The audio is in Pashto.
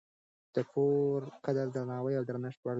چې د پوره قدر، درناوي او درنښت وړ دی